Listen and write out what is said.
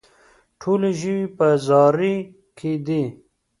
ټوله ژوي په زاري کې دي.